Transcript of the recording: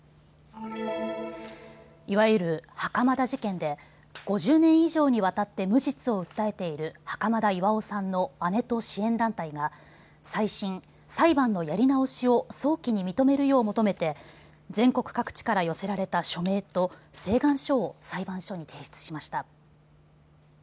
いわゆる袴田事件で５０年以上にわたって無実を訴えている袴田巌さんの姉と支援団体が再審・裁判のやり直しを早期に認めるよう求めて全国各地から寄せられた署名と請願書を裁判所に提出しました。